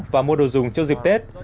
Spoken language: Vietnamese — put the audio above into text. và mua đồ dùng cho dịp tết